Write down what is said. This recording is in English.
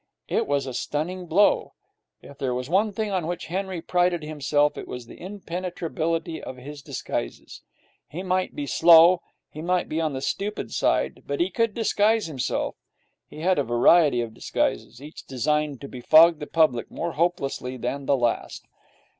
It was a stunning blow. If there was one thing on which Henry prided himself it was the impenetrability of his disguises. He might be slow; he might be on the stupid side; but he could disguise himself. He had a variety of disguises, each designed to befog the public more hopelessly than the last.